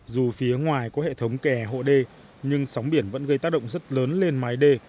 dù phía ngoài có hệ thống kè hộ đê nhưng sóng biển vẫn gây tác động rất lớn lên mái đê